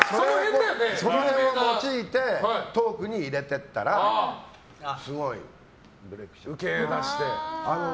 その辺を用いてトークに入れていったらすごいブレークしちゃって。